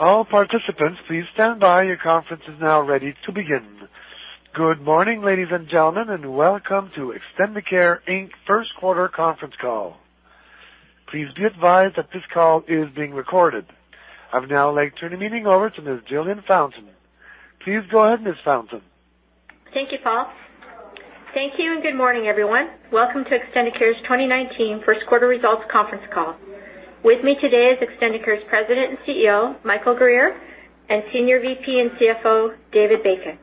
All participants, please stand by. Your conference is now ready to begin. Good morning, ladies and gentlemen, and welcome to Extendicare Inc.'s first quarter conference call. Please be advised that this call is being recorded. I would now like to turn the meeting over to Ms. Jillian Fountain. Please go ahead, Ms. Fountain. Thank you, Paul. Thank you. Good morning, everyone. Welcome to Extendicare's 2019 first quarter results conference call. With me today is Extendicare's President and Chief Executive Officer, Michael Guerriere, and Senior Vice President and Chief Financial Officer, David Bacon.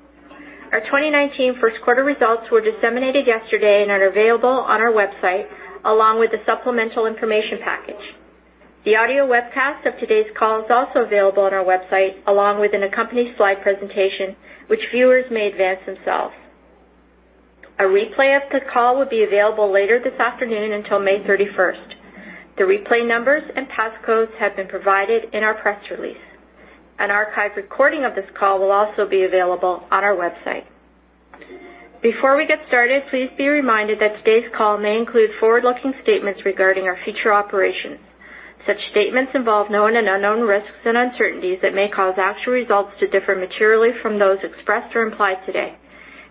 Our 2019 first quarter results were disseminated yesterday and are available on our website, along with the supplemental information package. The audio webcast of today's call is also available on our website, along with an accompanying slide presentation, which viewers may advance themselves. A replay of the call will be available later this afternoon until May 31st. The replay numbers and passcodes have been provided in our press release. An archived recording of this call will also be available on our website. Before we get started, please be reminded that today's call may include forward-looking statements regarding our future operations. Such statements involve known and unknown risks and uncertainties that may cause actual results to differ materially from those expressed or implied today.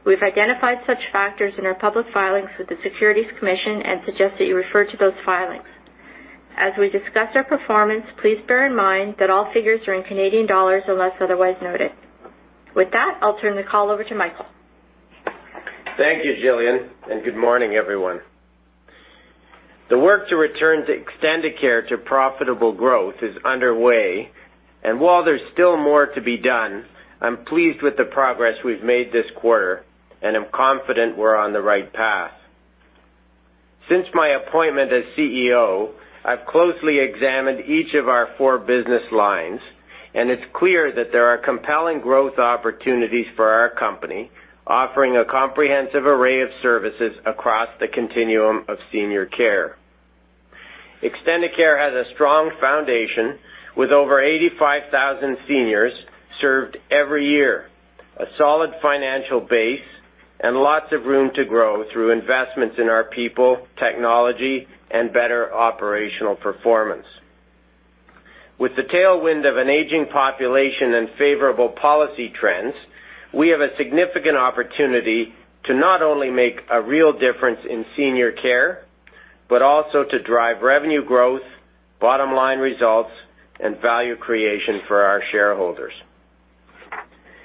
We've identified such factors in our public filings with the Securities Commission and suggest that you refer to those filings. As we discuss our performance, please bear in mind that all figures are in Canadian dollars unless otherwise noted. With that, I'll turn the call over to Michael. Thank you, Jillian. Good morning, everyone. The work to return to Extendicare to profitable growth is underway, and while there's still more to be done, I'm pleased with the progress we've made this quarter, and I'm confident we're on the right path. Since my appointment as CEO, I've closely examined each of our four business lines, and it's clear that there are compelling growth opportunities for our company, offering a comprehensive array of services across the continuum of senior care. Extendicare has a strong foundation, with over 85,000 seniors served every year, a solid financial base, and lots of room to grow through investments in our people, technology, and better operational performance. With the tailwind of an aging population and favorable policy trends, we have a significant opportunity to not only make a real difference in senior care, but also to drive revenue growth, bottom-line results, and value creation for our shareholders.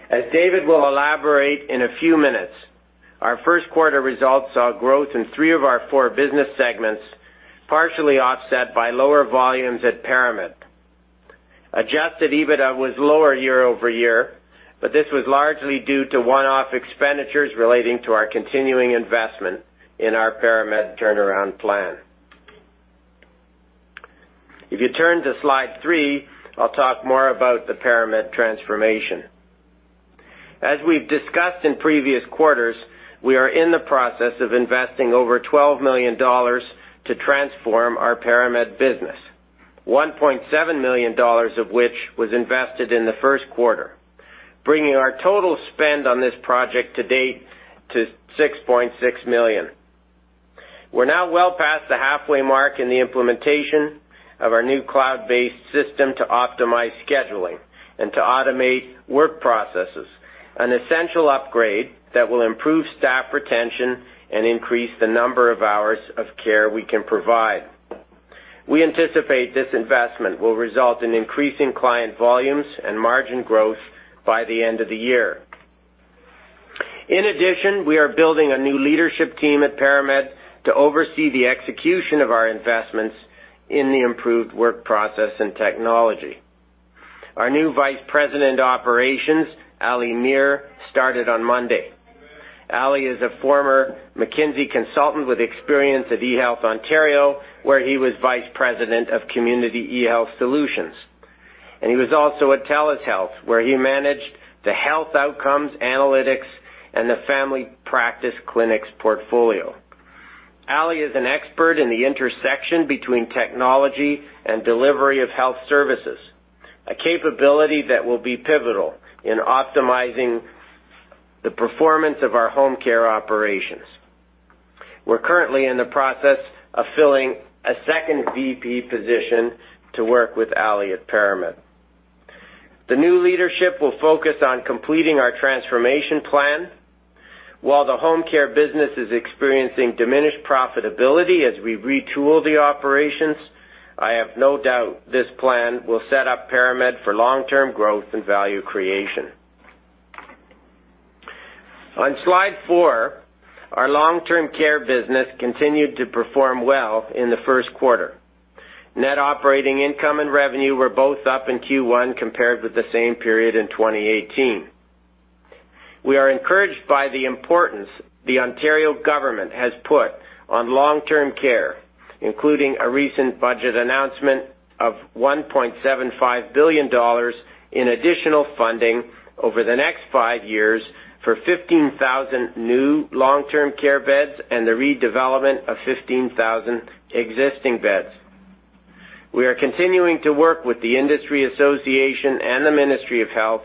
As David will elaborate in a few minutes, our first quarter results saw growth in three of our four business segments, partially offset by lower volumes at ParaMed. Adjusted EBITDA was lower year-over-year, but this was largely due to one-off expenditures relating to our continuing investment in our ParaMed turnaround plan. If you turn to slide three, I'll talk more about the ParaMed transformation. As we've discussed in previous quarters, we are in the process of investing over 12 million dollars to transform our ParaMed business, 1.7 million dollars of which was invested in the first quarter, bringing our total spend on this project to date to 6.6 million. We're now well past the halfway mark in the implementation of our new cloud-based system to optimize scheduling and to automate work processes, an essential upgrade that will improve staff retention and increase the number of hours of care we can provide. We anticipate this investment will result in increasing client volumes and margin growth by the end of the year. In addition, we are building a new leadership team at ParaMed to oversee the execution of our investments in the improved work process and technology. Our new Vice President of Operations, Ali Mir, started on Monday. Ali is a former McKinsey consultant with experience at eHealth Ontario, where he was Vice President of Community eHealth Solutions. He was also at TELUS Health, where he managed the health outcomes, analytics, and the family practice clinics portfolio. Ali is an expert in the intersection between technology and delivery of health services, a capability that will be pivotal in optimizing the performance of our home care operations. We're currently in the process of filling a second VP position to work with Ali at ParaMed. The new leadership will focus on completing our transformation plan. While the home care business is experiencing diminished profitability as we retool the operations, I have no doubt this plan will set up ParaMed for long-term growth and value creation. On slide four, our long-term care business continued to perform well in the first quarter. Net operating income and revenue were both up in Q1 compared with the same period in 2018. We are encouraged by the importance the Ontario government has put on long-term care, including a recent budget announcement of 1.75 billion dollars in additional funding over the next five years for 15,000 new long-term care beds and the redevelopment of 15,000 existing beds. We are continuing to work with the Industry Association and the Ministry of Health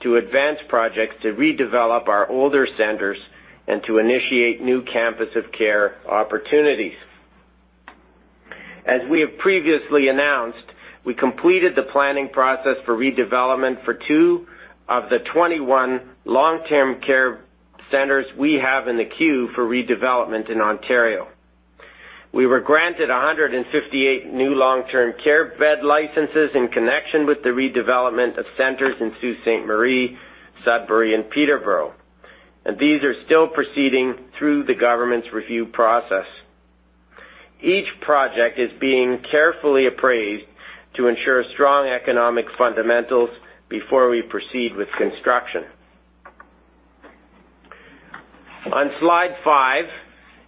to advance projects to redevelop our older centers and to initiate new campus of care opportunities. As we have previously announced, we completed the planning process for redevelopment for two of the 21 long-term care centers we have in the queue for redevelopment in Ontario. We were granted 158 new long-term care bed licenses in connection with the redevelopment of centers in Sault Ste. Marie, Sudbury, and Peterborough. These are still proceeding through the government's review process. Each project is being carefully appraised to ensure strong economic fundamentals before we proceed with construction. On slide five,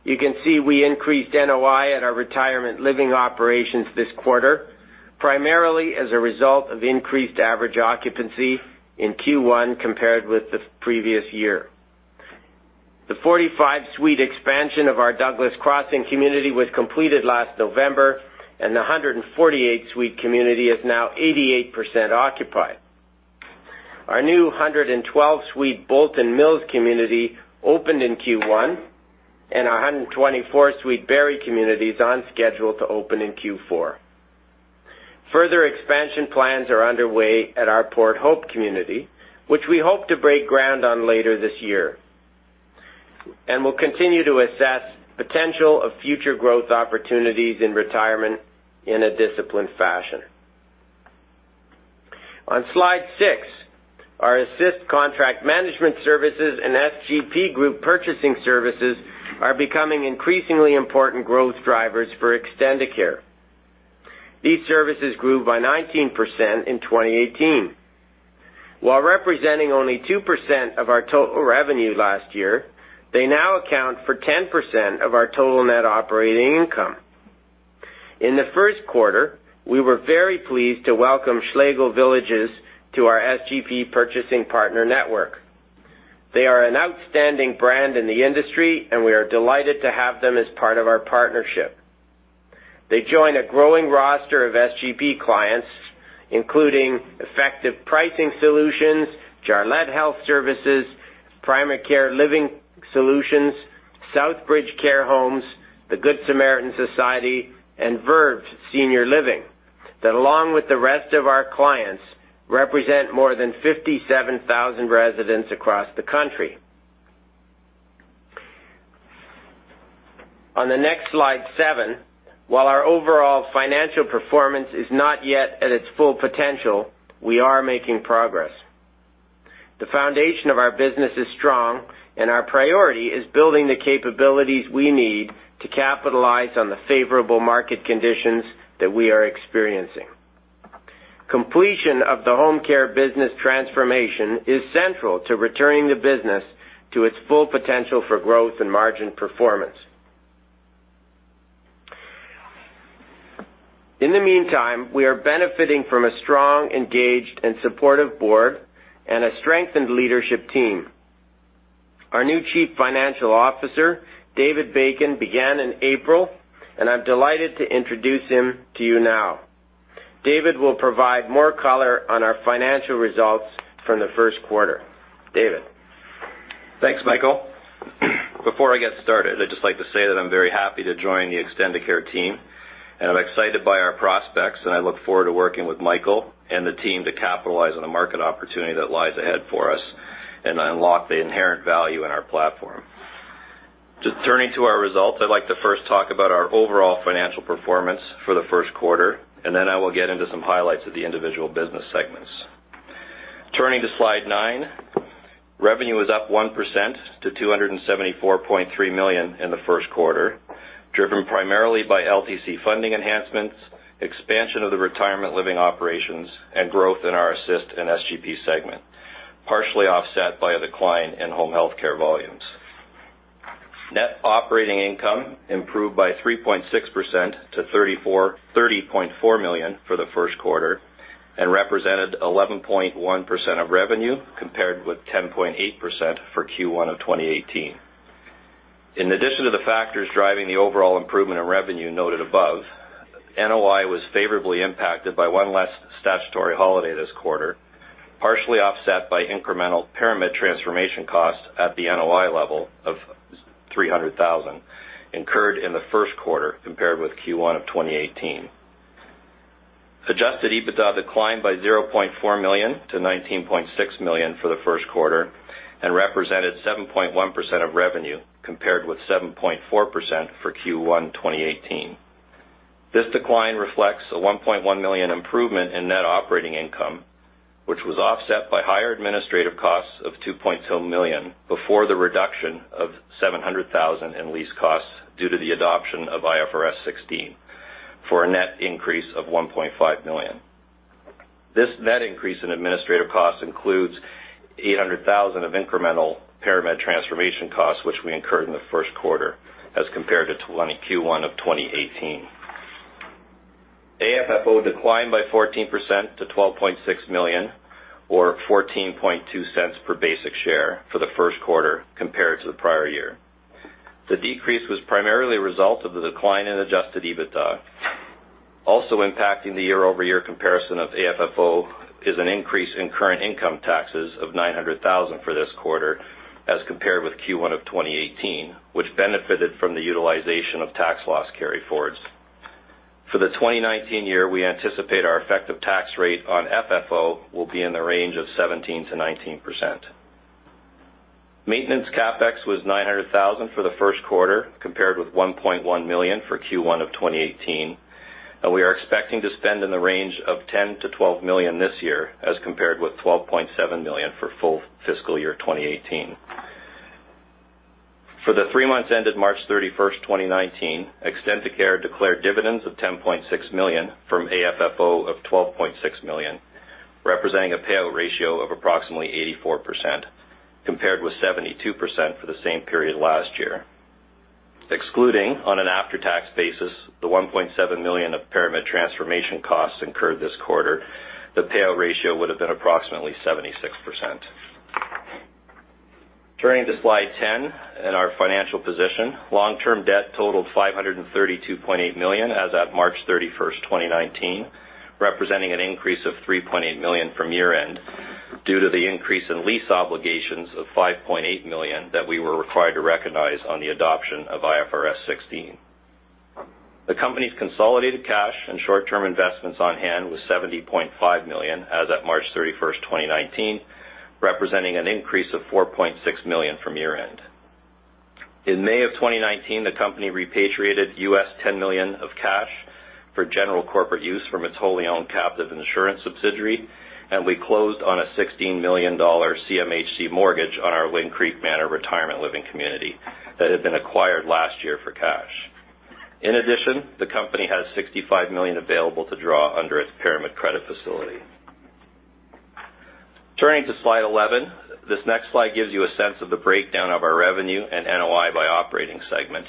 you can see we increased NOI at our retirement living operations this quarter, primarily as a result of increased average occupancy in Q1 compared with the previous year. The 45-suite expansion of our Douglas Crossing community was completed last November, and the 148-suite community is now 88% occupied. Our new 112-suite Bolton Mills community opened in Q1, and our 124-suite Barrie community's on schedule to open in Q4. Further expansion plans are underway at our Port Hope community, which we hope to break ground on later this year. We'll continue to assess potential of future growth opportunities in retirement in a disciplined fashion. On slide six, our Assist Contract Management services and SGP group purchasing services are becoming increasingly important growth drivers for Extendicare. These services grew by 19% in 2018. While representing only 2% of our total revenue last year, they now account for 10% of our total net operating income. In the first quarter, we were very pleased to welcome Schlegel Villages to our SGP Purchasing Partner Network. They are an outstanding brand in the industry, and we are delighted to have them as part of our partnership. They join a growing roster of SGP clients, including Effective Pricing Solutions, Jarlette Health Services, Premier Care Living Solutions, Southbridge Care Homes, The Good Samaritan Society, and Verve Senior Living, that along with the rest of our clients, represent more than 57,000 residents across the country. On the next slide seven, while our overall financial performance is not yet at its full potential, we are making progress. The foundation of our business is strong. Our priority is building the capabilities we need to capitalize on the favorable market conditions that we are experiencing. Completion of the home health care business transformation is central to returning the business to its full potential for growth and margin performance. In the meantime, we are benefiting from a strong, engaged, and supportive board and a strengthened leadership team. Our new Chief Financial Officer, David Bacon, began in April. I'm delighted to introduce him to you now. David will provide more color on our financial results from the first quarter. David? Thanks, Michael. Before I get started, I'd just like to say that I'm very happy to join the Extendicare team. I'm excited by our prospects, and I look forward to working with Michael and the team to capitalize on the market opportunity that lies ahead for us and unlock the inherent value in our platform. Just turning to our results, I'd like to first talk about our overall financial performance for the first quarter. Then I will get into some highlights of the individual business segments. Turning to slide nine, revenue was up 1% to 274.3 million in the first quarter, driven primarily by LTC funding enhancements, expansion of the retirement living operations, and growth in our Assist and SGP segment, partially offset by a decline in home health care volumes. Net operating income improved by 3.6% to 30.4 million for the first quarter and represented 11.1% of revenue, compared with 10.8% for Q1 2018. In addition to the factors driving the overall improvement in revenue noted above, NOI was favorably impacted by one less statutory holiday this quarter, partially offset by incremental ParaMed transformation costs at the NOI level of 300,000, incurred in the first quarter compared with Q1 2018. Adjusted EBITDA declined by 0.4 million to 19.6 million for the first quarter and represented 7.1% of revenue, compared with 7.4% for Q1 2018. This decline reflects a 1.1 million improvement in net operating income, which was offset by higher administrative costs of 2.2 million before the reduction of 700,000 in lease costs due to the adoption of IFRS 16, for a net increase of 1.5 million. This net increase in administrative costs includes 800,000 of incremental ParaMed transformation costs, which we incurred in the first quarter as compared to Q1 2018. AFFO declined by 14% to 12.6 million, or 0.142 per basic share for the first quarter compared to the prior year. The decrease was primarily a result of the decline in adjusted EBITDA. Also impacting the year-over-year comparison of AFFO is an increase in current income taxes of 900,000 for this quarter as compared with Q1 2018, which benefited from the utilization of tax loss carryforwards. For the 2019 year, we anticipate our effective tax rate on FFO will be in the range of 17%-19%. Maintenance CapEx was 900,000 for the first quarter compared with 1.1 million for Q1 2018. We are expecting to spend in the range of 10 million-12 million this year as compared with 12.7 million for full fiscal year 2018. For the three months ended March 31, 2019, Extendicare declared dividends of 10.6 million from AFFO of 12.6 million, representing a payout ratio of approximately 84%, compared with 72% for the same period last year. Excluding on an after-tax basis, the 1.7 million of ParaMed transformation costs incurred this quarter, the payout ratio would have been approximately 76%. Turning to slide 10 and our financial position. Long-term debt totaled 532.8 million as at March 31, 2019, representing an increase of 3.8 million from year-end due to the increase in lease obligations of 5.8 million that we were required to recognize on the adoption of IFRS 16. The company's consolidated cash and short-term investments on hand was CAD 70.5 million as at March 31, 2019, representing an increase of CAD 4.6 million from year-end. In May of 2019, the company repatriated $10 million of cash for general corporate use from its wholly owned captive insurance subsidiary. We closed on a 16 million dollar CMHC mortgage on our Windermere Creek Manor Retirement Living Community that had been acquired last year for cash. In addition, the company has 65 million available to draw under its ParaMed credit facility. Turning to slide 11. This next slide gives you a sense of the breakdown of our revenue and NOI by operating segment.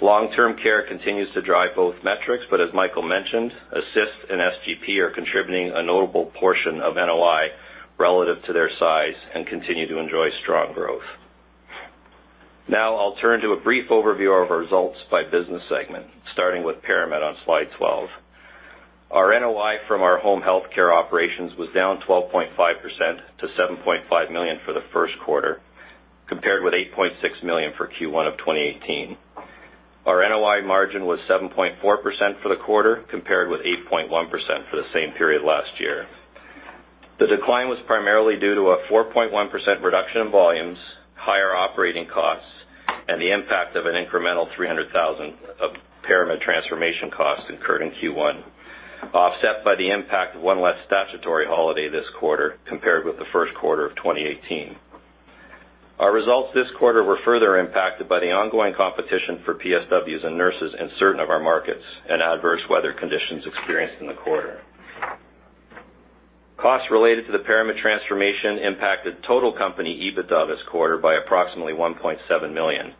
Long-term care continues to drive both metrics, but as Michael mentioned, Assist and SGP are contributing a notable portion of NOI relative to their size and continue to enjoy strong growth. I'll turn to a brief overview of our results by business segment, starting with ParaMed on slide 12. Our NOI from our home health care operations was down 12.5% to 7.5 million for the first quarter, compared with 8.6 million for Q1 of 2018. Our NOI margin was 7.4% for the quarter, compared with 8.1% for the same period last year. The decline was primarily due to a 4.1% reduction in volumes, higher operating costs, and the impact of an incremental 300,000 of ParaMed transformation costs incurred in Q1, offset by the impact of one less statutory holiday this quarter compared with the first quarter of 2018. Our results this quarter were further impacted by the ongoing competition for PSWs and nurses in certain of our markets and adverse weather conditions experienced in the quarter. Costs related to the ParaMed transformation impacted total company EBITDA this quarter by approximately 1.7 million,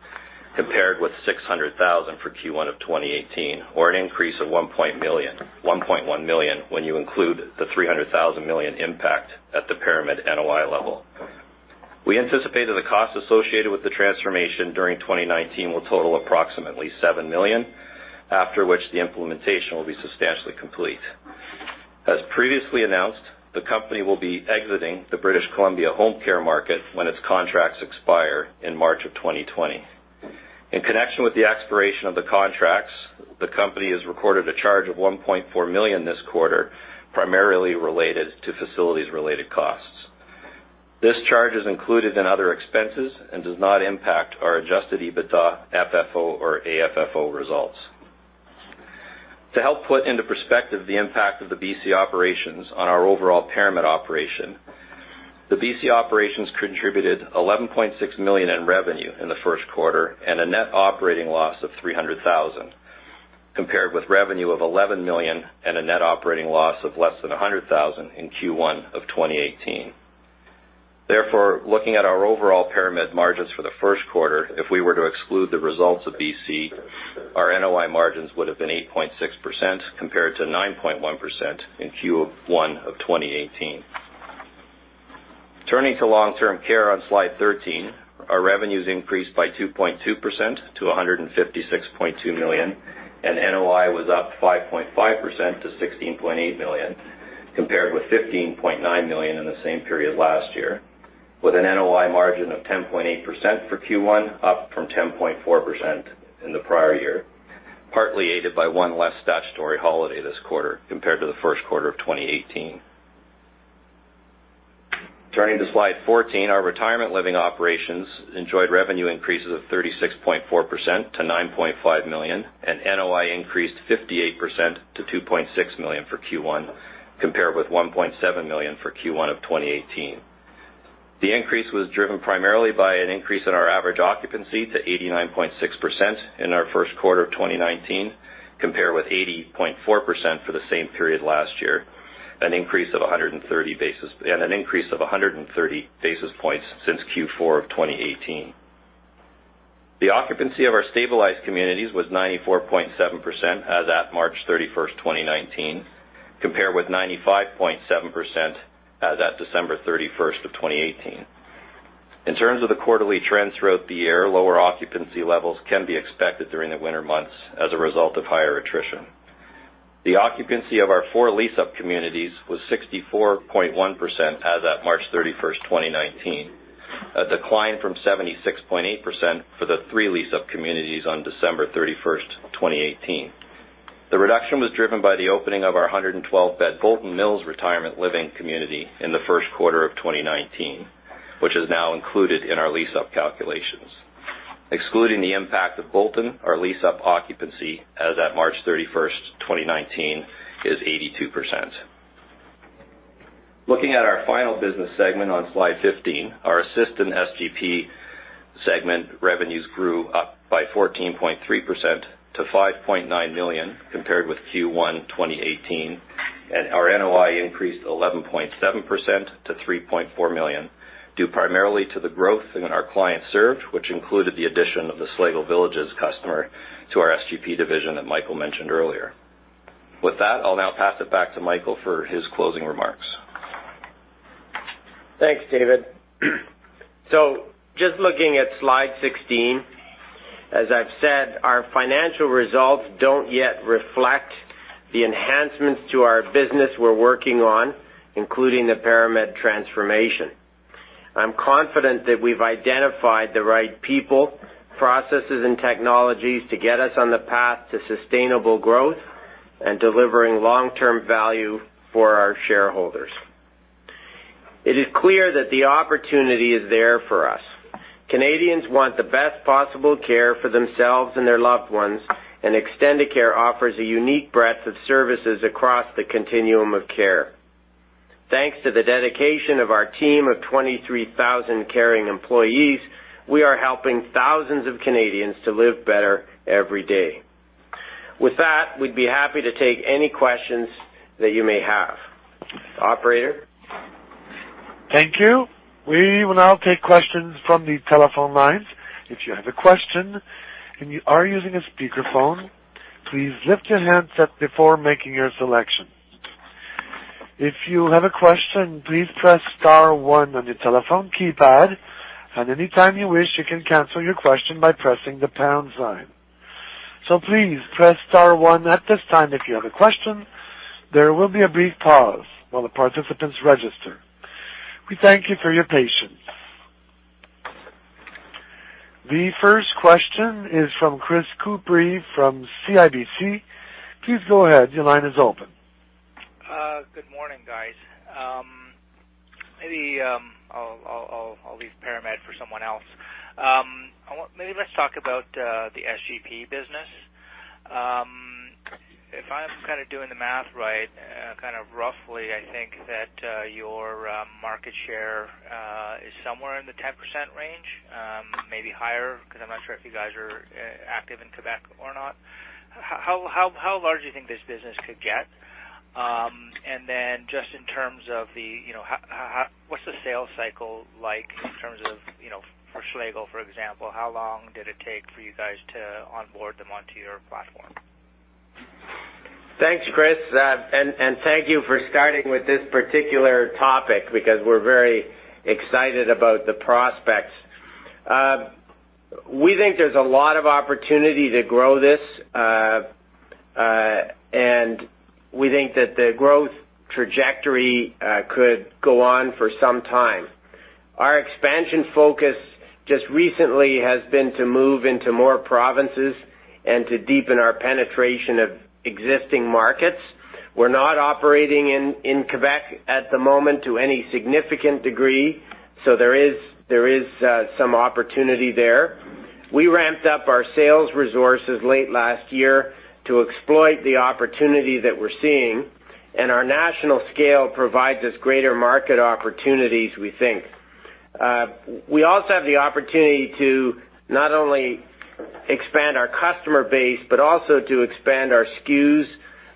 compared with 600,000 for Q1 of 2018, or an increase of 1.1 million when you include the 300,000 million impact at the ParaMed NOI level. We anticipate that the cost associated with the transformation during 2019 will total approximately 7 million, after which the implementation will be substantially complete. As previously announced, the company will be exiting the British Columbia home care market when its contracts expire in March of 2020. In connection with the expiration of the contracts, the company has recorded a charge of 1.4 million this quarter, primarily related to facilities related costs. This charge is included in other expenses and does not impact our adjusted EBITDA, FFO or AFFO results. To help put into perspective the impact of the BC operations on our overall ParaMed operation, the BC operations contributed 11.6 million in revenue in the first quarter and a net operating loss of 300,000, compared with revenue of 11 million and a net operating loss of less than 100,000 in Q1 of 2018. Looking at our overall ParaMed margins for the first quarter, if we were to exclude the results of BC, our NOI margins would have been 8.6% compared to 9.1% in Q1 of 2018. Turning to long-term care on slide 13. Our revenues increased by 2.2% to 156.2 million, and NOI was up 5.5% to 16.8 million, compared with 15.9 million in the same period last year, with an NOI margin of 10.8% for Q1, up from 10.4% in the prior year, partly aided by one less statutory holiday this quarter compared to the first quarter of 2018. Turning to slide 14. Our retirement living operations enjoyed revenue increases of 36.4% to 9.5 million, and NOI increased 58% to 2.6 million for Q1, compared with 1.7 million for Q1 of 2018. The increase was driven primarily by an increase in our average occupancy to 89.6% in our first quarter of 2019, compared with 80.4% for the same period last year, and an increase of 130 basis points since Q4 of 2018. The occupancy of our stabilized communities was 94.7% as at March 31st, 2019, compared with 95.7% as at December 31st of 2018. In terms of the quarterly trends throughout the year, lower occupancy levels can be expected during the winter months as a result of higher attrition. The occupancy of our four lease-up communities was 64.1% as at March 31st, 2019, a decline from 76.8% for the three lease-up communities on December 31st, 2018. The reduction was driven by the opening of our 112-bed Bolton Mills retirement living community in the first quarter of 2019, which is now included in our lease-up calculations. Excluding the impact of Bolton, our lease-up occupancy as at March 31st, 2019, is 82%. Looking at our final business segment on slide 15, our Assist SGP segment revenues grew by 14.3% to 5.9 million, compared with Q1 2018, and our NOI increased 11.7% to 3.4 million, due primarily to the growth in our clients served, which included the addition of the Schlegel Villages customer to our SGP division that Michael mentioned earlier. With that, I'll now pass it back to Michael for his closing remarks. Thanks, David. Just looking at slide 16, as I've said, our financial results don't yet reflect the enhancements to our business we're working on, including the ParaMed transformation. I'm confident that we've identified the right people, processes, and technologies to get us on the path to sustainable growth and delivering long-term value for our shareholders. It is clear that the opportunity is there for us. Canadians want the best possible care for themselves and their loved ones, Extendicare offers a unique breadth of services across the continuum of care. Thanks to the dedication of our team of 23,000 caring employees, we are helping thousands of Canadians to live better every day. With that, we'd be happy to take any questions that you may have. Operator? Thank you. We will now take questions from the telephone lines. If you have a question and you are using a speakerphone, please lift your handset before making your selection. If you have a question, please press star one on your telephone keypad, any time you wish, you can cancel your question by pressing the pound sign. Please press star one at this time if you have a question. There will be a brief pause while the participants register. We thank you for your patience. The first question is from Chris Couprie from CIBC. Please go ahead. Your line is open. Good morning, guys. Maybe I'll leave ParaMed for someone else. Maybe let's talk about the SGP business. If I'm kind of doing the math right, kind of roughly, I think that your market share is somewhere in the 10% range, maybe higher, because I'm not sure if you guys are active in Quebec or not. How large do you think this business could get? Just in terms of the, what's the sales cycle like in terms of, for Schlegel, for example? How long did it take for you guys to onboard them onto your platform? Thanks, Chris. Thank you for starting with this particular topic because we're very excited about the prospects. We think there's a lot of opportunity to grow this, and we think that the growth trajectory could go on for some time. Our expansion focus just recently has been to move into more provinces and to deepen our penetration of existing markets. We're not operating in Quebec at the moment to any significant degree, so there is some opportunity there. We ramped up our sales resources late last year to exploit the opportunity that we're seeing, and our national scale provides us greater market opportunities, we think. We also have the opportunity to not only expand our customer base, but also to expand our SKUs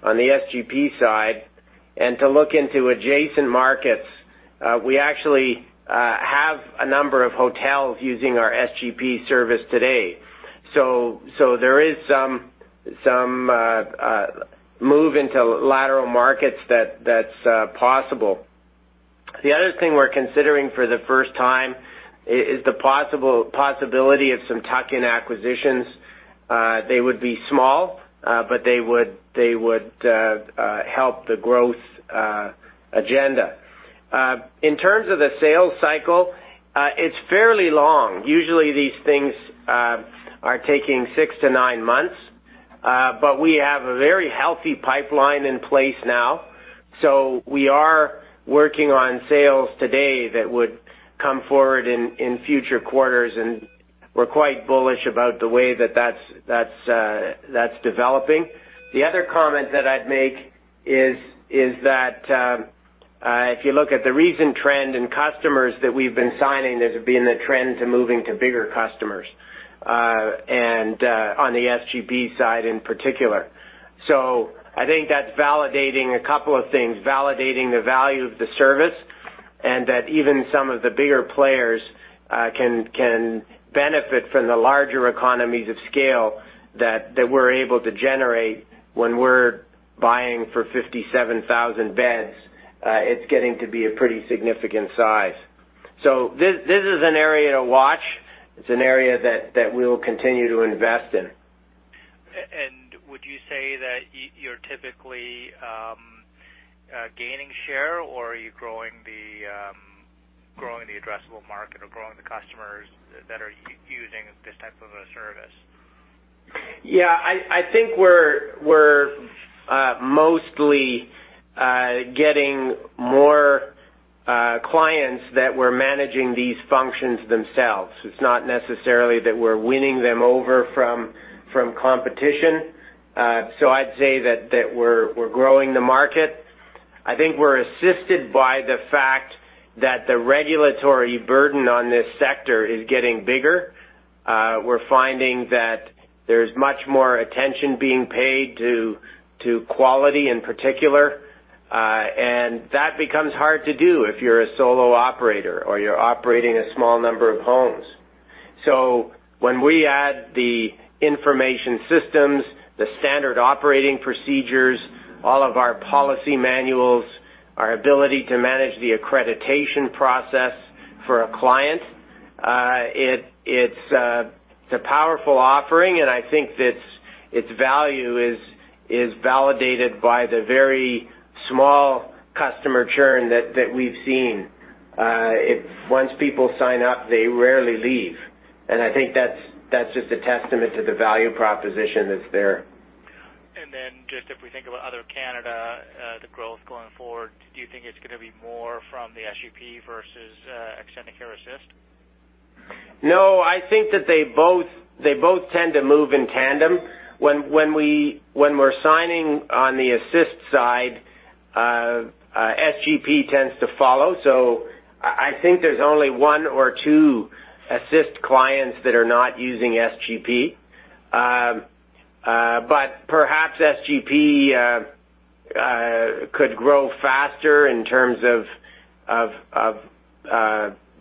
on the SGP side and to look into adjacent markets. We actually have a number of hotels using our SGP service today. There is some move into lateral markets that's possible. The other thing we're considering for the first time is the possibility of some tuck-in acquisitions. They would be small, but they would help the growth agenda. In terms of the sales cycle, it's fairly long. Usually, these things are taking six to nine months. We have a very healthy pipeline in place now. We are working on sales today that would come forward in future quarters, and we're quite bullish about the way that that's developing. The other comment that I'd make is that, if you look at the recent trend in customers that we've been signing, there's been a trend to moving to bigger customers, and on the SGP side in particular. I think that's validating a couple of things, validating the value of the service, and that even some of the bigger players can benefit from the larger economies of scale that we're able to generate when we're buying for 57,000 beds, it's getting to be a pretty significant size. This is an area to watch. It's an area that we'll continue to invest in. Would you say that you're typically gaining share, or are you growing the addressable market or growing the customers that are using this type of a service? Yeah, I think we're mostly getting more clients that were managing these functions themselves. It's not necessarily that we're winning them over from competition. I'd say that we're growing the market. I think we're assisted by the fact that the regulatory burden on this sector is getting bigger. We're finding that there's much more attention being paid to quality in particular, and that becomes hard to do if you're a solo operator or you're operating a small number of homes. When we add the information systems, the standard operating procedures, all of our policy manuals, our ability to manage the accreditation process for a client. It's a powerful offering, and I think its value is validated by the very small customer churn that we've seen. Once people sign up, they rarely leave, and I think that's just a testament to the value proposition that's there. Just if we think about other Canada, the growth going forward, do you think it's going to be more from the SGP versus Extendicare Assist? No, I think that they both tend to move in tandem. When we're signing on the Assist side, SGP tends to follow. I think there's only one or two Assist clients that are not using SGP. Perhaps SGP could grow faster in terms of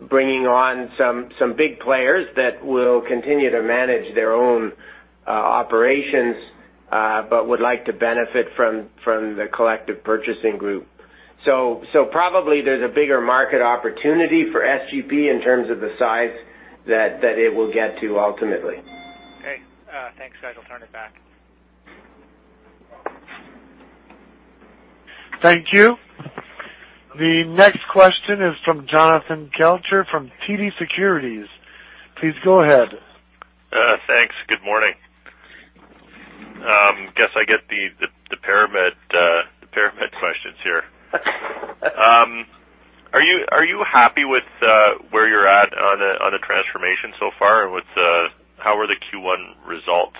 bringing on some big players that will continue to manage their own operations, but would like to benefit from the collective purchasing group. Probably there's a bigger market opportunity for SGP in terms of the size that it will get to ultimately. Okay. Thanks, guys. I'll turn it back. Thank you. The next question is from Jonathan Kelcher from TD Securities. Please go ahead. Thanks. Good morning. Guess I get the ParaMed questions here. Are you happy with where you're at on the transformation so far, and how were the Q1 results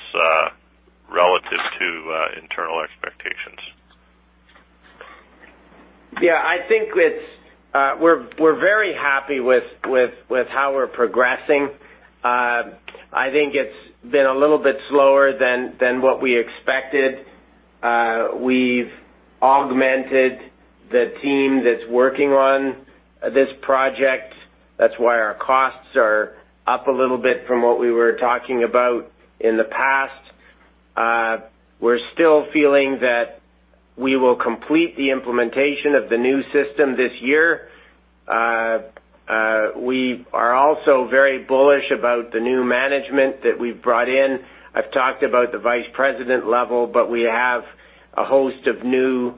relative to internal expectations? Yeah, I think we're very happy with how we're progressing. I think it's been a little bit slower than what we expected. We've augmented the team that's working on this project. That's why our costs are up a little bit from what we were talking about in the past. We're still feeling that we will complete the implementation of the new system this year. We are also very bullish about the new management that we've brought in. I've talked about the vice president level, but we have a host of new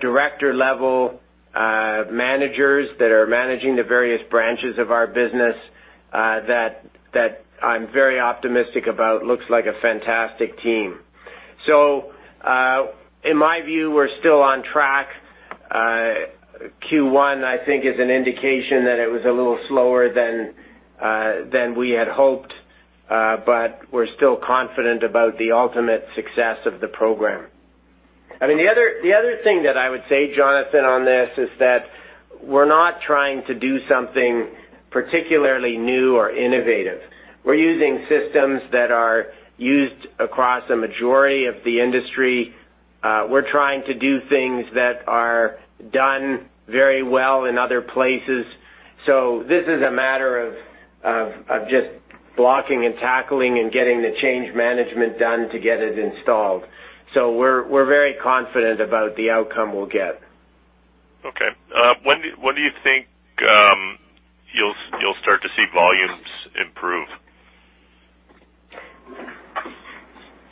director-level managers that are managing the various branches of our business that I'm very optimistic about. Looks like a fantastic team. In my view, we're still on track. Q1, I think, is an indication that it was a little slower than we had hoped. We're still confident about the ultimate success of the program. The other thing that I would say, Jonathan, on this is that we're not trying to do something particularly new or innovative. We're using systems that are used across a majority of the industry. We're trying to do things that are done very well in other places. This is a matter of just blocking and tackling and getting the change management done to get it installed. We're very confident about the outcome we'll get. Okay. When do you think you'll start to see volumes improve?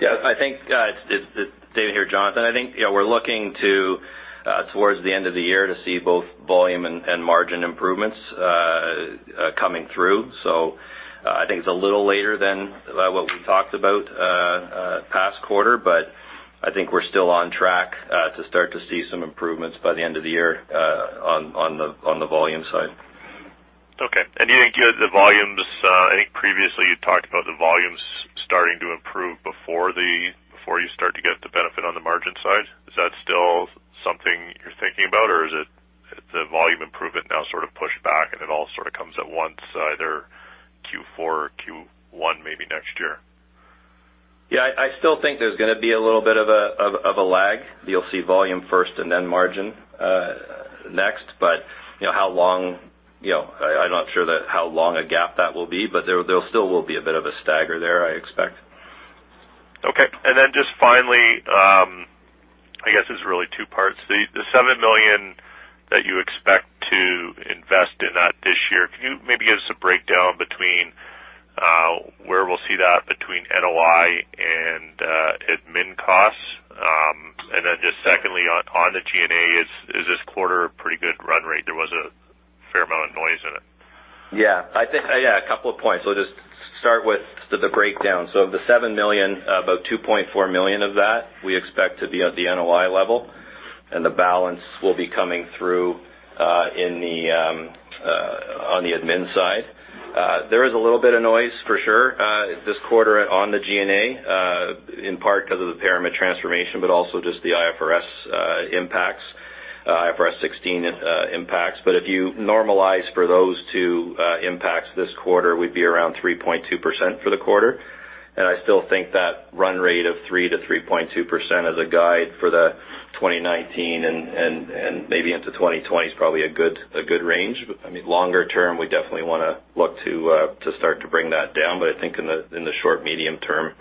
Yeah. David here, Jonathan. I think, we're looking towards the end of the year to see both volume and margin improvements coming through. I think it's a little later than what we talked about past quarter, but I think we're still on track to start to see some improvements by the end of the year on the volume side. Okay. I think previously you talked about the volumes starting to improve before you start to get the benefit on the margin side. Is that still something you're thinking about, or is it the volume improvement now sort of pushed back and it all sort of comes at once either Q4 or Q1, maybe next year? I still think there's going to be a little bit of a lag. You'll see volume first and then margin next. I'm not sure how long a gap that will be, but there still will be a bit of a stagger there, I expect. Okay. Just finally, I guess it's really two parts. The 7 million that you expect to invest in that this year, can you maybe give us a breakdown between where we'll see that between NOI and admin costs? Just secondly, on the G&A, is this quarter a pretty good run rate? There was a fair amount of noise in it. A couple of points. I'll just start with the breakdown. The 7 million, about 2.4 million of that we expect to be at the NOI level, and the balance will be coming through on the admin side. There is a little bit of noise for sure, this quarter on the G&A, in part because of the ParaMed transformation, but also just the IFRS impacts, IFRS 16 impacts. If you normalize for those two impacts this quarter, we'd be around 3.2% for the quarter. I still think that run rate of 3%-3.2% as a guide for the 2019 and maybe into 2020 is probably a good range. Longer term, we definitely want to look to start to bring that down, I think in the short medium term,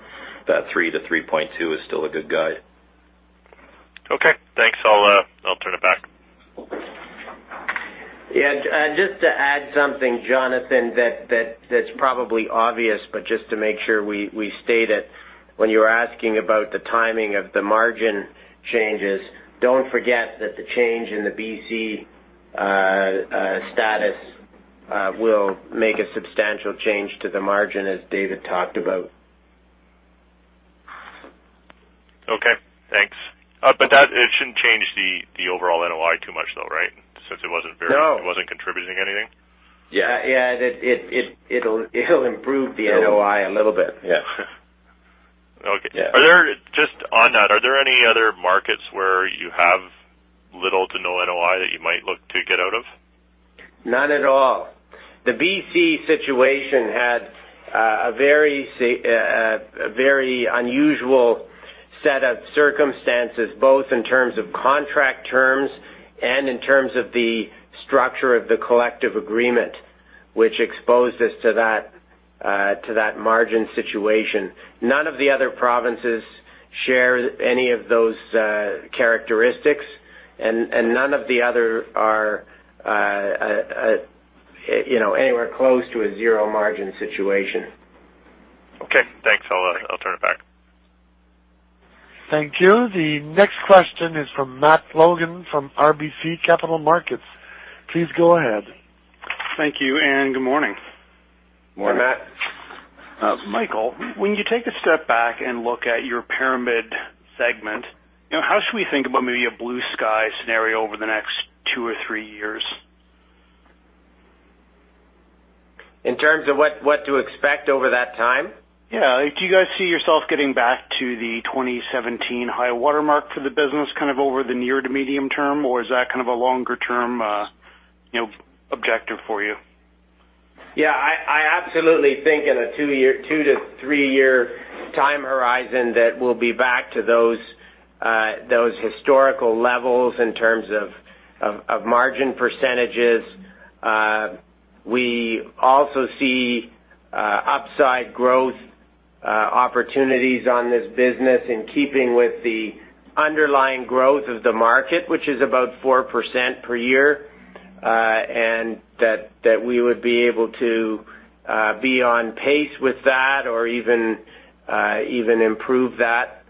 that 3%-3.2% is still a good guide. Okay, thanks. I'll turn it back. Yeah. Just to add something, Jonathan, that is probably obvious, but just to make sure we state it. When you were asking about the timing of the margin changes, don't forget that the change in the BC status will make a substantial change to the margin as David talked about. Okay, thanks. It shouldn't change the overall NOI too much though, right? Since it wasn't very- No it wasn't contributing anything. Yeah. It'll improve the NOI a little bit. Yeah. Okay. Yeah. Just on that, are there any other markets where you have little to no NOI that you might look to get out of? Not at all. The BC situation had a very unusual set of circumstances, both in terms of contract terms and in terms of the structure of the collective agreement, which exposed us to that margin situation. None of the other provinces share any of those characteristics, and none of the other are anywhere close to a zero margin situation. Okay, thanks. I'll turn it back. Thank you. The next question is from Matt Logan from RBC Capital Markets. Please go ahead. Thank you, and good morning. Morning, Matt. Michael, when you take a step back and look at your ParaMed segment, how should we think about maybe a blue sky scenario over the next two or three years? In terms of what to expect over that time? Yeah. Do you guys see yourself getting back to the 2017 high watermark for the business kind of over the near to medium term, or is that kind of a longer term objective for you? Yeah, I absolutely think in a two to three-year time horizon that we'll be back to those historical levels in terms of margin percentages. We also see upside growth opportunities on this business in keeping with the underlying growth of the market, which is about 4% per year. That we would be able to be on pace with that or even improve that.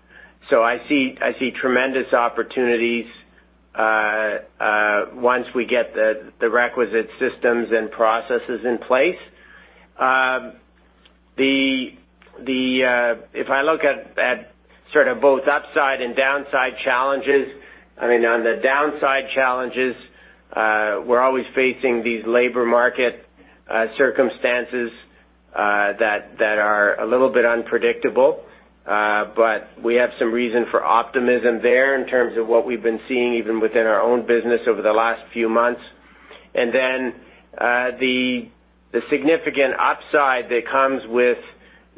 I see tremendous opportunities once we get the requisite systems and processes in place. If I look at sort of both upside and downside challenges, I mean, on the downside challenges, we're always facing these labor market circumstances that are a little bit unpredictable. We have some reason for optimism there in terms of what we've been seeing even within our own business over the last few months. The significant upside that comes with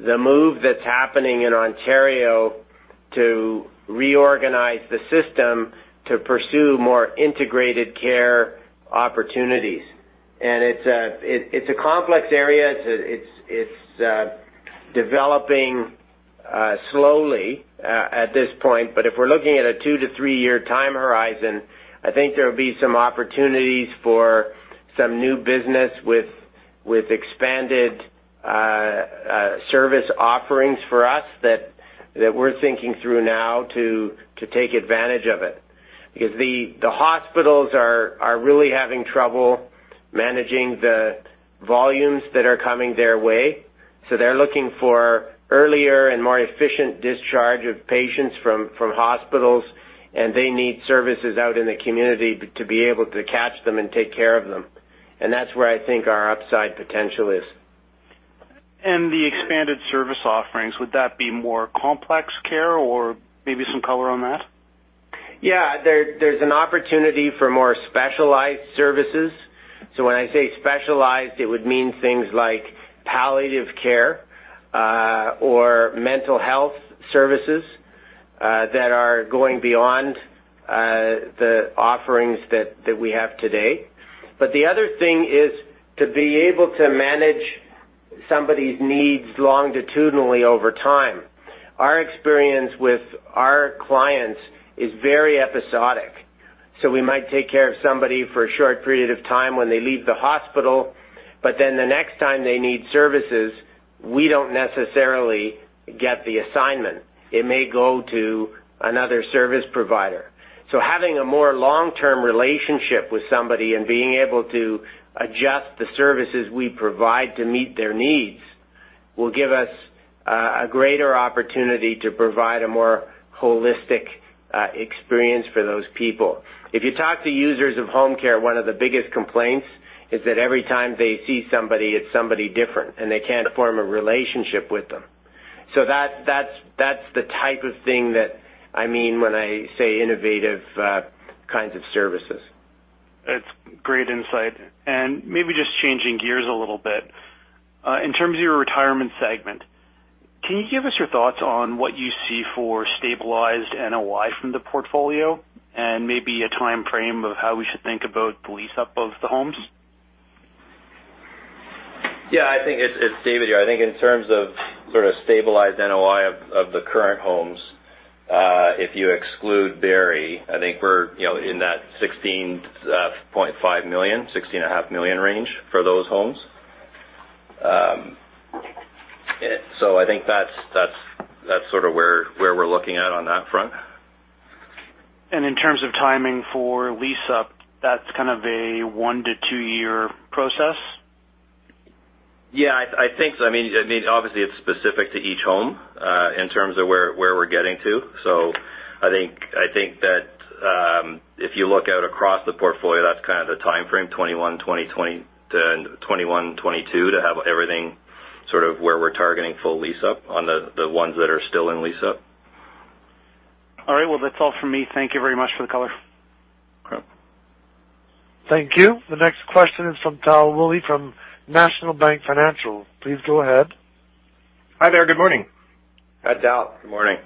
the move that's happening in Ontario to reorganize the system to pursue more integrated care opportunities. It's a complex area. It's developing slowly at this point, but if we're looking at a two to three-year time horizon, I think there'll be some opportunities for some new business with expanded service offerings for us that we're thinking through now to take advantage of it. Because the hospitals are really having trouble managing the volumes that are coming their way. They're looking for earlier and more efficient discharge of patients from hospitals, and they need services out in the community to be able to catch them and take care of them. That's where I think our upside potential is. The expanded service offerings, would that be more complex care, or maybe some color on that? There's an opportunity for more specialized services. When I say specialized, it would mean things like palliative care or mental health services that are going beyond the offerings that we have today. The other thing is to be able to manage somebody's needs longitudinally over time. Our experience with our clients is very episodic. We might take care of somebody for a short period of time when they leave the hospital, the next time they need services, we don't necessarily get the assignment. It may go to another service provider. Having a more long-term relationship with somebody and being able to adjust the services we provide to meet their needs will give us a greater opportunity to provide a more holistic experience for those people. If you talk to users of home care, one of the biggest complaints is that every time they see somebody, it's somebody different, and they can't form a relationship with them. That's the type of thing that I mean when I say innovative kinds of services. That's great insight. Maybe just changing gears a little bit. In terms of your retirement segment, can you give us your thoughts on what you see for stabilized NOI from the portfolio and maybe a timeframe of how we should think about the lease up of the homes? It's David here. I think in terms of sort of stabilized NOI of the current homes, if you exclude Barrie, I think we're in that 16.5 million range for those homes. I think that's sort of where we're looking at on that front. In terms of timing for lease up, that's kind of a one to two-year process? I think so. Obviously, it's specific to each home, in terms of where we're getting to. I think that if you look out across the portfolio, that's kind of the timeframe, 2021, 2022, to have everything sort of where we're targeting full lease up on the ones that are still in lease up. That's all from me. Thank you very much for the color. Great. Thank you. The next question is from Tal Woolley from National Bank Financial. Please go ahead. Hi there. Good morning. Hi, Tal. Good morning.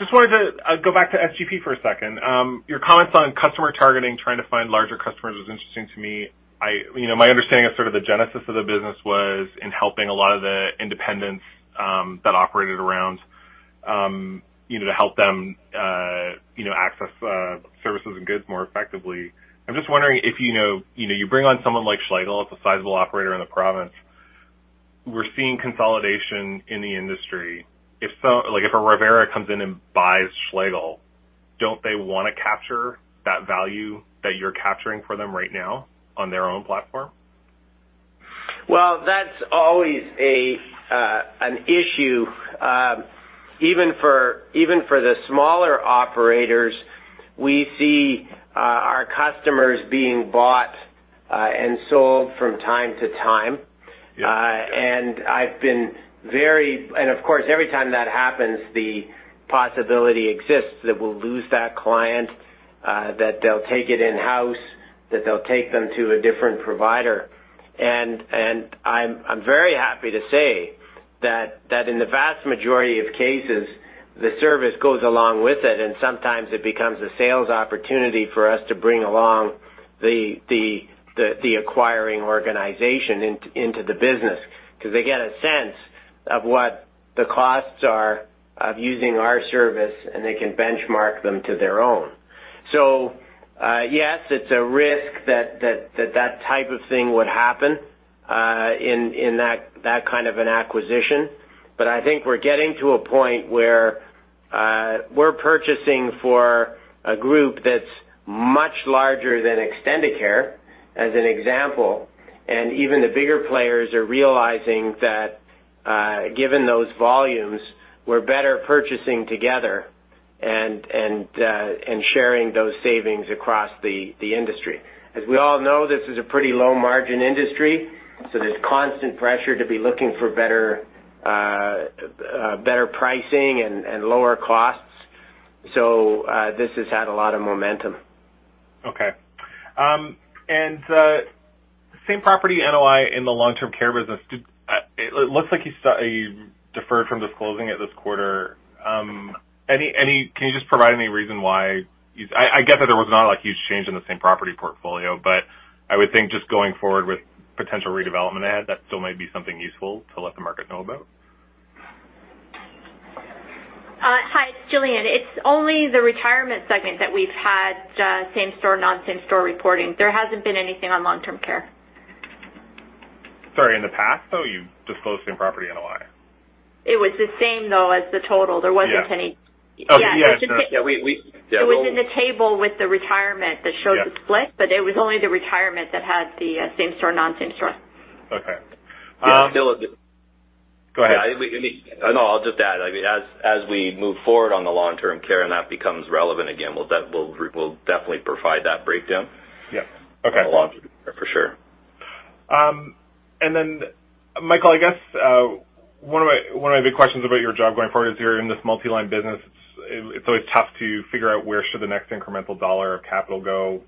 Just wanted to go back to SGP for a second. Your comments on customer targeting, trying to find larger customers was interesting to me. My understanding of sort of the genesis of the business was in helping a lot of the independents, that operated around, to help them access services and goods more effectively. I'm just wondering if you bring on someone like Schlegel, it's a sizable operator in the province. We're seeing consolidation in the industry. If a Revera comes in and buys Schlegel, don't they want to capture that value that you're capturing for them right now on their own platform? Well, that's always an issue. Even for the smaller operators, we see our customers being bought and sold from time to time. Yeah. Of course, every time that happens, the possibility exists that we'll lose that client, that they'll take it in-house, that they'll take them to a different provider. I'm very happy to say that in the vast majority of cases, the service goes along with it, and sometimes it becomes a sales opportunity for us to bring along the acquiring organization into the business because they get a sense of what the costs are of using our service, and they can benchmark them to their own. Yes, it's a risk that type of thing would happen in that kind of an acquisition. I think we're getting to a point where we're purchasing for a group that's much larger than Extendicare, as an example. Even the bigger players are realizing that, given those volumes, we're better purchasing together and sharing those savings across the industry. As we all know, this is a pretty low-margin industry, so there's constant pressure to be looking for better pricing and lower costs. This has had a lot of momentum. Okay. Same property NOI in the long-term care business, it looks like you deferred from disclosing it this quarter. Can you just provide any reason why I get that there was not a huge change in the same property portfolio, I would think just going forward with potential redevelopment add, that still might be something useful to let the market know about. Hi, it's Jillian. It's only the retirement segment that we've had same store, non-same store reporting. There hasn't been anything on long-term care. Sorry, in the past, though, you disclosed same property NOI? It was the same, though, as the total. Yeah. Yeah, we- It was in the table with the retirement that showed the split, but it was only the retirement that had the same store, non-same store. Okay. Yeah. Go ahead. No, I'll just add. As we move forward on the long-term care and that becomes relevant again, we'll definitely provide that breakdown. Yeah. Okay. For sure. Michael, I guess one of the questions about your job going forward is you're in this multi-line business. It's always tough to figure out where should the next incremental dollar of capital go.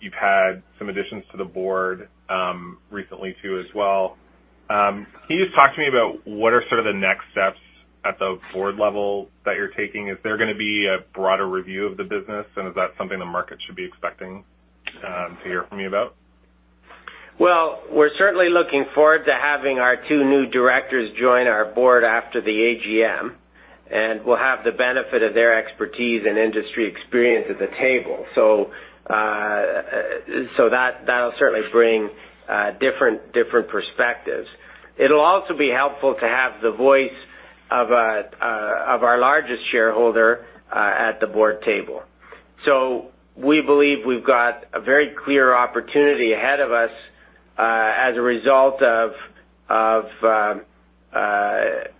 You've had some additions to the board recently, too, as well. Can you just talk to me about what are sort of the next steps at the board level that you're taking? Is there going to be a broader review of the business, and is that something the market should be expecting to hear from you about? We're certainly looking forward to having our two new directors join our board after the AGM, and we'll have the benefit of their expertise and industry experience at the table. That'll certainly bring different perspectives. It'll also be helpful to have the voice of our largest shareholder at the board table. We believe we've got a very clear opportunity ahead of us as a result of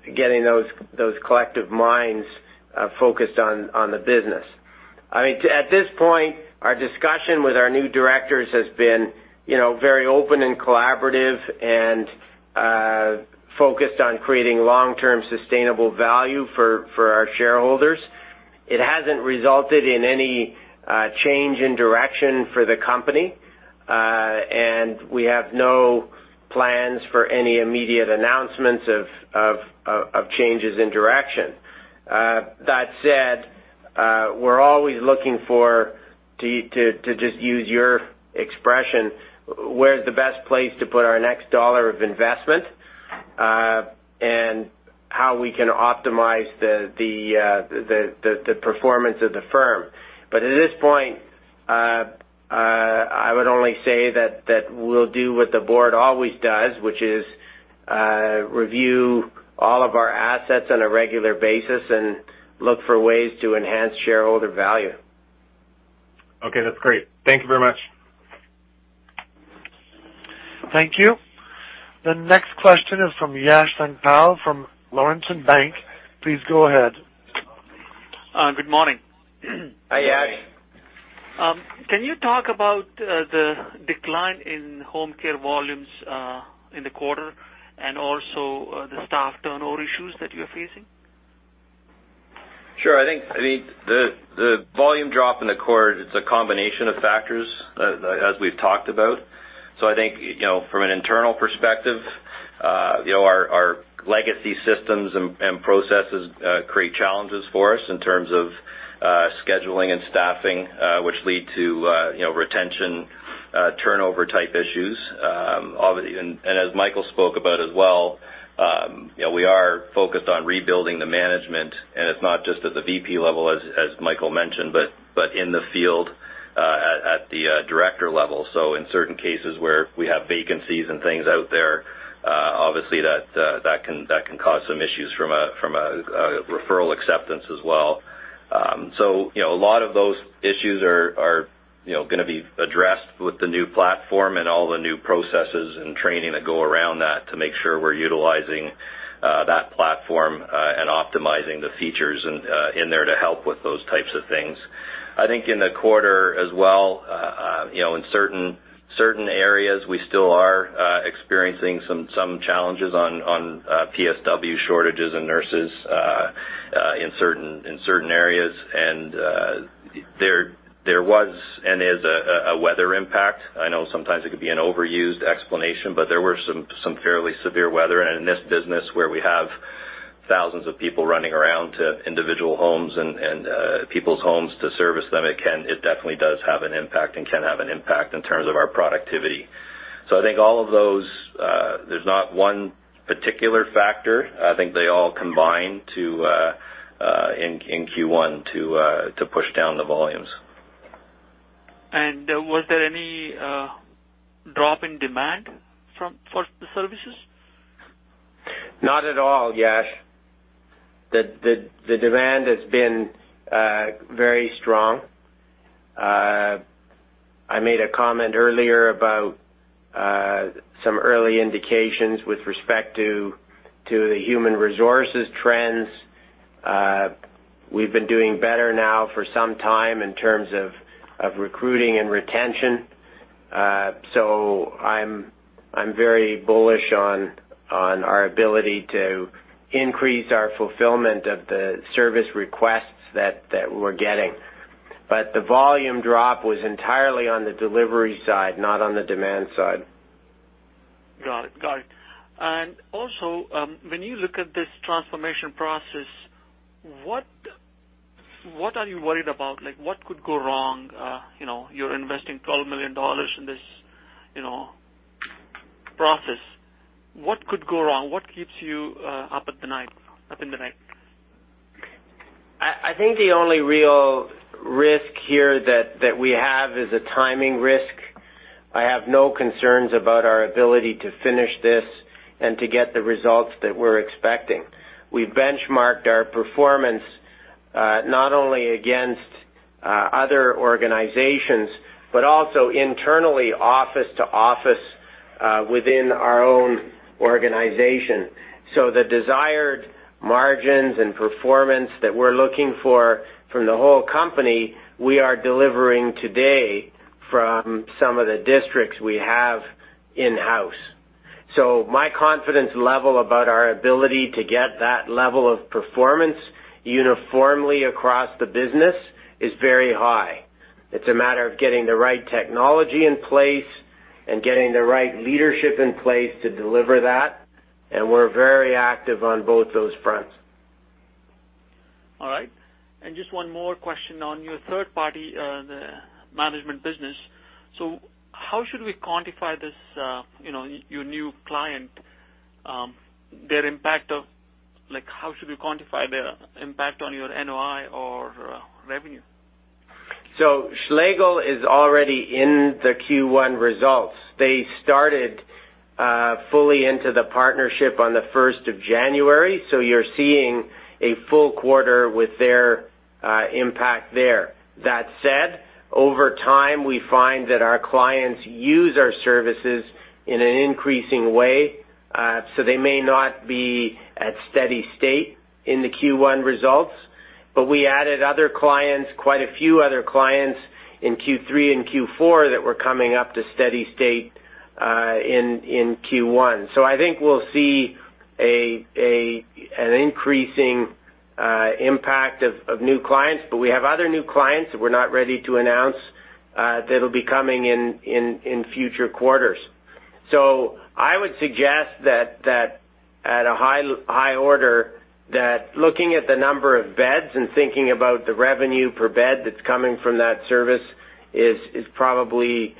getting those collective minds focused on the business. At this point, our discussion with our new directors has been very open and collaborative and focused on creating long-term sustainable value for our shareholders. It hasn't resulted in any change in direction for the company. We have no plans for any immediate announcements of changes in direction. That said, we're always looking for, to just use your expression, where's the best place to put our next dollar of investment, and how we can optimize the performance of the firm. At this point, I would only say that we'll do what the board always does, which is review all of our assets on a regular basis and look for ways to enhance shareholder value. Okay. That's great. Thank you very much. Thank you. The next question is from Yash Santpal from Laurentian Bank. Please go ahead. Good morning. Hi, Yash. Can you talk about the decline in home care volumes in the quarter and also the staff turnover issues that you're facing? Sure. I think the volume drop in the quarter, it's a combination of factors as we've talked about. I think from an internal perspective our legacy systems and processes create challenges for us in terms of scheduling and staffing, which lead to retention, turnover type issues. As Michael spoke about as well we are focused on rebuilding the management, and it's not just at the VP level as Michael mentioned, but in the field at the director level. In certain cases where we have vacancies and things out there obviously that can cause some issues from a referral acceptance as well. A lot of those issues are going to be addressed with the new platform and all the new processes and training that go around that to make sure we're utilizing that platform and optimizing the features in there to help with those types of things. I think in the quarter as well in certain areas, we still are experiencing some challenges on PSW shortages and nurses in certain areas. There was and is a weather impact. I know sometimes it could be an overused explanation, but there were some fairly severe weather. In this business where we have thousands of people running around to individual homes and people's homes to service them, it definitely does have an impact and can have an impact in terms of our productivity. I think all of those, there's not one particular factor. I think they all combine in Q1 to push down the volumes. Was there any drop in demand for the services? Not at all, Yash. The demand has been very strong. I made a comment earlier about some early indications with respect to the human resources trends. We've been doing better now for some time in terms of recruiting and retention. I'm very bullish on our ability to increase our fulfillment of the service requests that we're getting. The volume drop was entirely on the delivery side, not on the demand side. Got it. Also, when you look at this transformation process, what are you worried about? What could go wrong? You're investing 12 million dollars in this process. What could go wrong? What keeps you up in the night? I think the only real risk here that we have is a timing risk. I have no concerns about our ability to finish this and to get the results that we're expecting. We've benchmarked our performance not only against other organizations, but also internally office to office within our own organization. The desired margins and performance that we're looking for from the whole company, we are delivering today from some of the districts we have in-house. My confidence level about our ability to get that level of performance uniformly across the business is very high. It's a matter of getting the right technology in place and getting the right leadership in place to deliver that. We're very active on both those fronts. All right. Just one more question on your third party, the management business. How should we quantify your new client, their impact on your NOI or revenue? Schlegel is already in the Q1 results. They started fully into the partnership on the 1st of January. You're seeing a full quarter with their impact there. That said, over time, we find that our clients use our services in an increasing way. They may not be at steady state in the Q1 results. We added other clients, quite a few other clients in Q3 and Q4 that were coming up to steady state, in Q1. I think we'll see an increasing impact of new clients. We have other new clients that we're not ready to announce, that'll be coming in future quarters. I would suggest that at a high order, that looking at the number of beds and thinking about the revenue per bed that's coming from that service is probably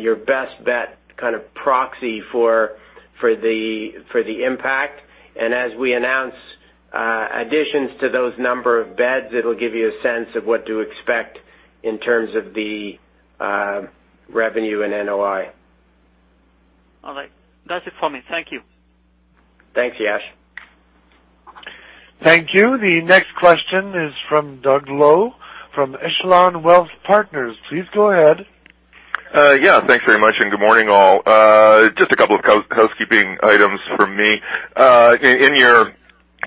your best bet kind of proxy for the impact. As we announce additions to those number of beds, it'll give you a sense of what to expect in terms of the revenue and NOI. All right. That's it for me. Thank you. Thanks, Yash. Thank you. The next question is from Doug Lo from Echelon Wealth Partners. Please go ahead. Yeah. Thanks very much, and good morning, all. Just a couple of housekeeping items from me. In your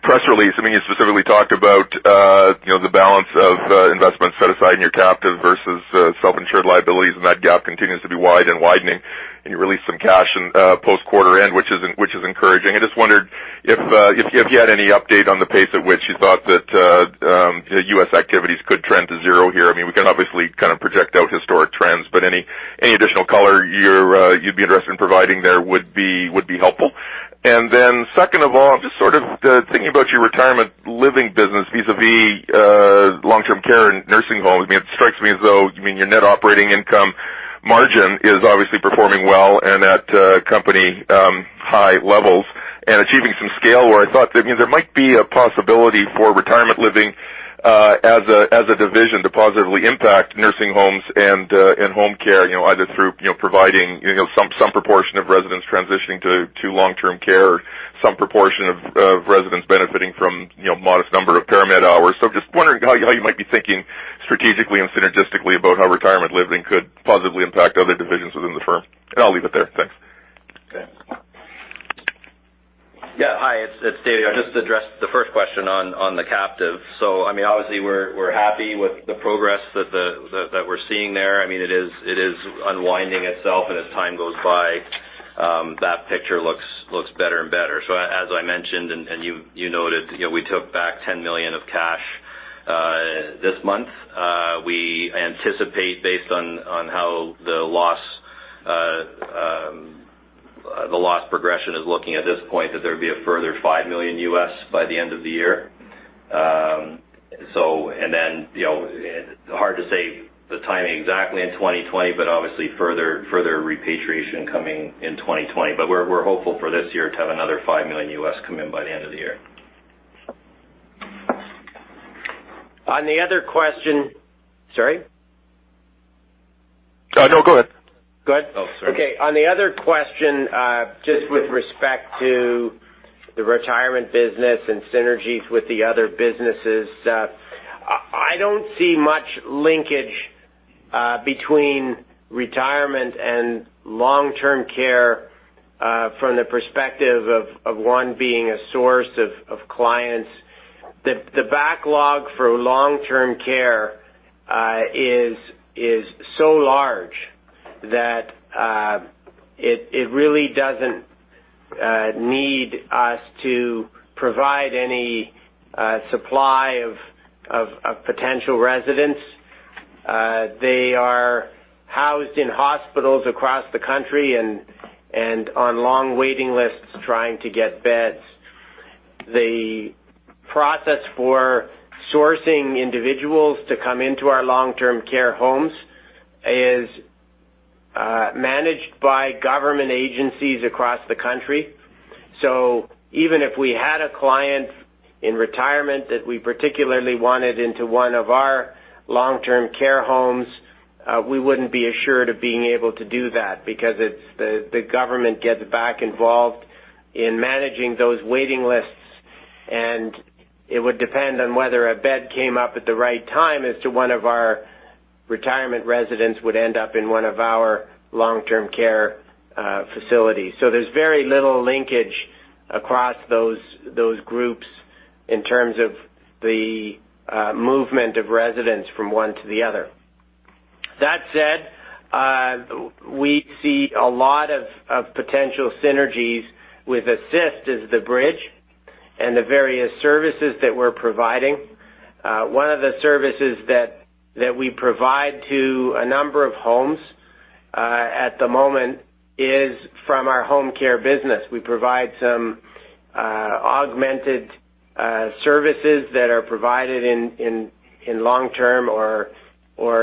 press release, I mean, you specifically talked about the balance of investments set aside in your captive versus self-insured liabilities, and that gap continues to be wide and widening. You released some cash in post quarter end, which is encouraging. I just wondered if you had any update on the pace at which you thought that the U.S. activities could trend to zero here. I mean, we can obviously kind of project out historic trends, but any additional color you'd be interested in providing there would be helpful. Second of all, just sort of thinking about your retirement living business vis-a-vis long-term care and nursing homes. I mean, it strikes me as though, I mean, your net operating income margin is obviously performing well and at company high levels and achieving some scale where I thought that, I mean, there might be a possibility for retirement living as a division to positively impact nursing homes and home care, either through providing some proportion of residents transitioning to long-term care or some proportion of residents benefiting from modest number of ParaMed hours. Just wondering how you might be thinking strategically and synergistically about how retirement living could positively impact other divisions within the firm. I'll leave it there. Thanks. Okay. Yeah. Hi, it's David. I'll just address the first question on the captive. I mean, obviously, we're happy with the progress that we're seeing there. I mean, it is unwinding itself and as time goes by, that picture looks better and better. As I mentioned, and you noted, we took back $10 million of cash this month. We anticipate based on how the loss progression is looking at this point, that there'd be a further $5 million by the end of the year. Hard to say the timing exactly in 2020, but obviously further repatriation coming in 2020. We're hopeful for this year to have another $5 million come in by the end of the year. On the other question. Sorry? No, go ahead. Go ahead? Oh, sorry. Okay, on the other question, just with respect to the retirement business and synergies with the other businesses, I don't see much linkage between retirement and long-term care, from the perspective of one being a source of clients. The backlog for long-term care is so large that it really doesn't need us to provide any supply of potential residents. They are housed in hospitals across the country and on long waiting lists trying to get beds. The process for sourcing individuals to come into our long-term care homes is managed by government agencies across the country. Even if we had a client in retirement that we particularly wanted into one of our long-term care homes, we wouldn't be assured of being able to do that because the government gets back involved in managing those waiting lists, and it would depend on whether a bed came up at the right time as to one of our retirement residents would end up in one of our long-term care facilities. There's very little linkage across those groups in terms of the movement of residents from one to the other. That said. We see a lot of potential synergies with Assist as the bridge and the various services that we're providing. One of the services that we provide to a number of homes at the moment is from our home care business. We provide some augmented services that are provided in long-term or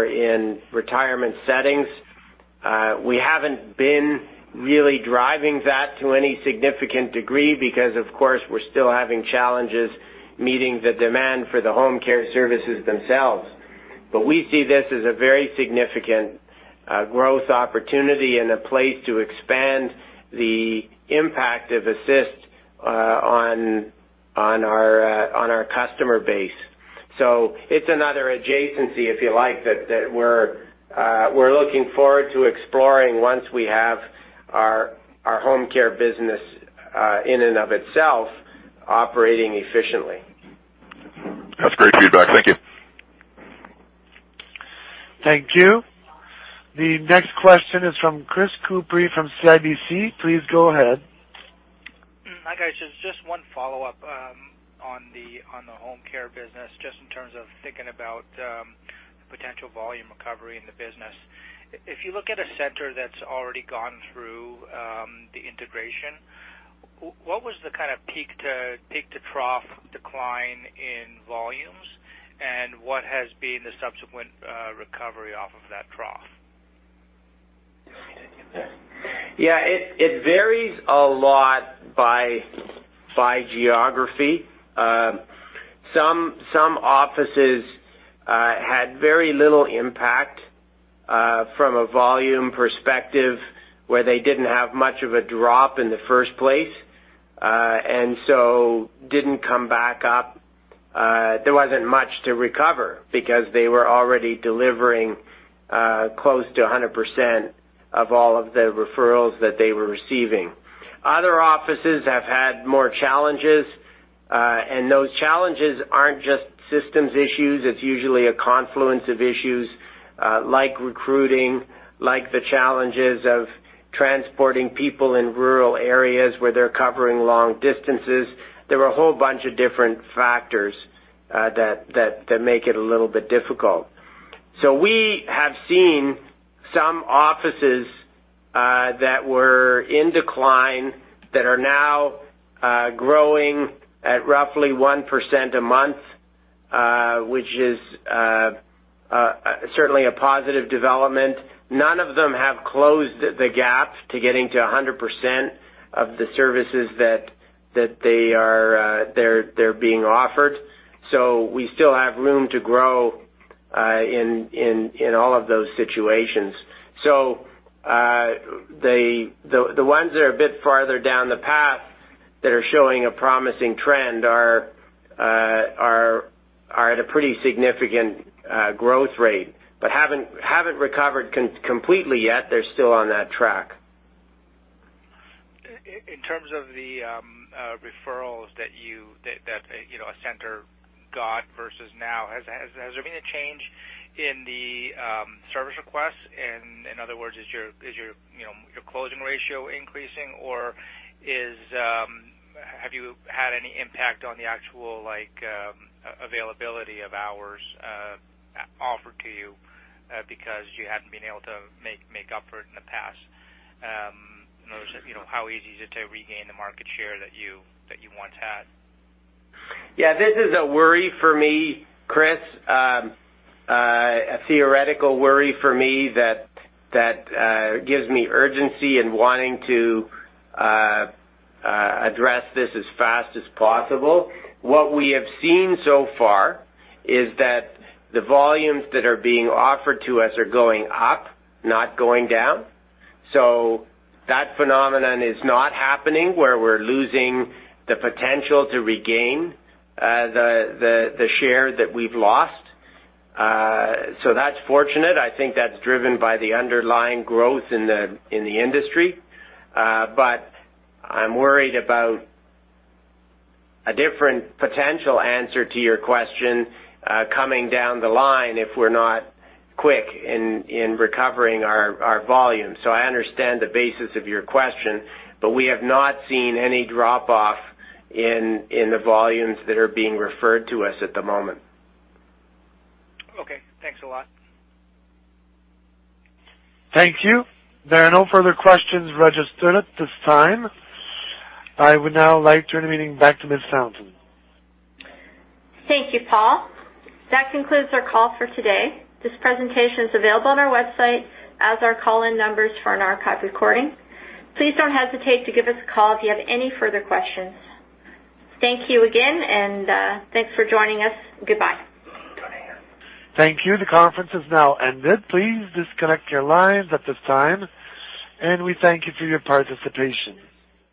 in retirement settings. We haven't been really driving that to any significant degree because, of course, we're still having challenges meeting the demand for the home care services themselves. We see this as a very significant growth opportunity and a place to expand the impact of Assist on our customer base. It's another adjacency, if you like, that we're looking forward to exploring once we have our home care business in and of itself operating efficiently. That's great feedback. Thank you. Thank you. The next question is from Chris Couprie from CIBC. Please go ahead. Hi, guys. Just one follow-up on the home care business, just in terms of thinking about potential volume recovery in the business. If you look at a center that's already gone through the integration, what was the peak to trough decline in volumes and what has been the subsequent recovery off of that trough? Yeah, it varies a lot by geography. Some offices had very little impact from a volume perspective, where they didn't have much of a drop in the first place and didn't come back up. There wasn't much to recover because they were already delivering close to 100% of all of the referrals that they were receiving. Other offices have had more challenges, and those challenges aren't just systems issues. It's usually a confluence of issues, like recruiting, like the challenges of transporting people in rural areas where they're covering long distances. There were a whole bunch of different factors that make it a little bit difficult. We have seen some offices that were in decline that are now growing at roughly 1% a month, which is certainly a positive development. None of them have closed the gap to getting to 100% of the services that they're being offered. We still have room to grow in all of those situations. The ones that are a bit farther down the path that are showing a promising trend are at a pretty significant growth rate, but haven't recovered completely yet. They're still on that track. In terms of the referrals that a center got versus now, has there been a change in the service requests? In other words, is your closing ratio increasing, or have you had any impact on the actual availability of hours offered to you because you haven't been able to make up for it in the past? In other words, how easy is it to regain the market share that you once had? A worry for me, Chris. A theoretical worry for me that gives me urgency in wanting to address this as fast as possible. What we have seen so far is that the volumes that are being offered to us are going up, not going down. That phenomenon is not happening, where we're losing the potential to regain the share that we've lost. That's fortunate. I think that's driven by the underlying growth in the industry. I'm worried about a different potential answer to your question coming down the line if we're not quick in recovering our volume. I understand the basis of your question, but we have not seen any drop-off in the volumes that are being referred to us at the moment. Thanks a lot. Thank you. There are no further questions registered at this time. I would now like to turn the meeting back to Miss Fountain. Thank you, Paul. That concludes our call for today. This presentation is available on our website as are call-in numbers for an archive recording. Please don't hesitate to give us a call if you have any further questions. Thank you again, and thanks for joining us. Goodbye. Thank you. Thank you. The conference has now ended. Please disconnect your lines at this time, and we thank you for your participation.